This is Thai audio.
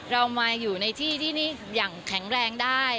เรามาอยู่ในที่ที่นี่อย่างแข็งแรงได้